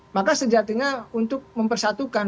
maka sejatinya untuk mempersatukan